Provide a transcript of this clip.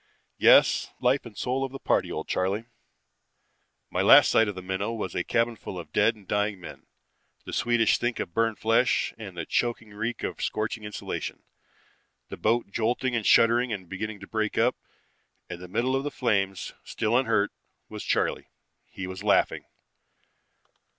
Yes, life and soul of the party, old Charley ... "My last sight of the Minnow was a cabin full of dead and dying men, the sweetish stink of burned flesh and the choking reek of scorching insulation, the boat jolting and shuddering and beginning to break up, and in the middle of the flames, still unhurt, was Charley. He was laughing